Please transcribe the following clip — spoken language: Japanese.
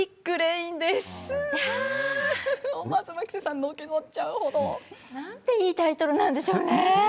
思わず牧瀬さんのけぞっちゃう程。なんて、いいタイトルなんでしょうね。